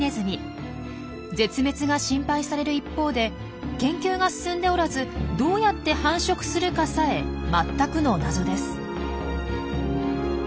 絶滅が心配される一方で研究が進んでおらずどうやって繁殖するかさえ全くの謎です。